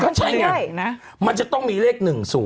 ใช่ไงมันจะต้องมีเลข๑๐